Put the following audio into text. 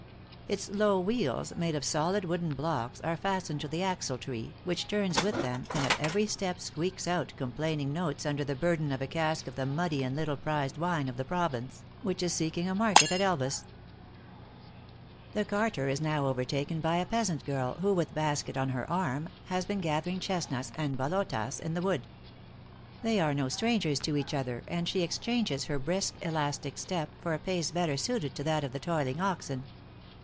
Its low wheels, made of solid wooden blocks, are fastened to the axle tree, which turns with them, and at every step squeaks out complaining notes under the burden of a cask of the muddy and little prized wine of the province, which is seeking a market at Elvas. The carter is now overtaken by a peasant girl, who, with basket on her arm, has been gathering chesnuts and bolotas in the wood. They are no strangers to each other, and she exchanges her brisk, elastic step, for a pace better suited to that of the toiling oxen.